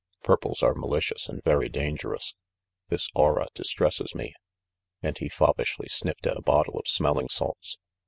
Purples are malicious and very dangerous. This aura distresses me." And he fop pishly sniffed at a bottle of smelling salts.